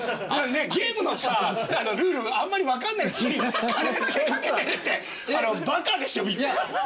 ゲームのルールあんまり分かんないうちに金だけ賭けてるってバカでしょ。